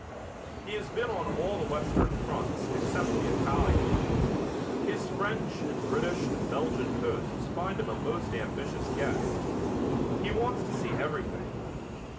He has been on all the Western fronts except the Italian. His French and British and Belgian hosts find him a most ambitious guest. He wants to see everything.